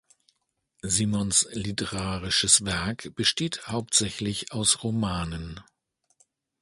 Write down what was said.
Simons literarisches Werk besteht hauptsächlich aus Romanen.